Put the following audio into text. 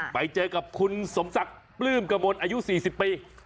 ไปเจอกับคุณสมศักดิ์ปลื้มกระมวลอายุ๔๐ปี